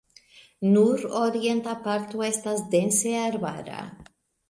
Nur orienta parto estas dense arbara.